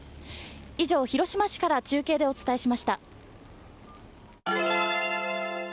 以上、広島市から中継でお伝えしました。